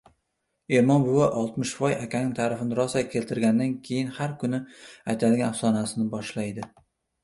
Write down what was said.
Ermon buva Oltmishvoy akaning ta’rifini rosa keltirganidan keyin har kuni aytadigan afsonasini boshlaydi.